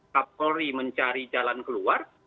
kapolri mencari jalan keluar